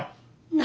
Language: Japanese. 何？